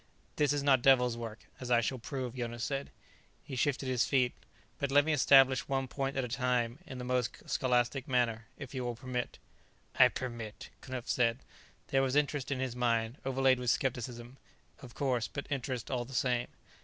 "This is not Devil's work as I shall prove," Jonas said. He shifted his feet. "But let me establish one point at a time, in the most scholastic manner; if you will permit." "I permit," Knupf said. There was interest in his mind, overlaid with skepticism, of course, but interest all the same.